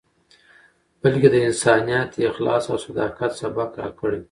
بلکې د انسانیت، اخلاص او صداقت، سبق راکړی.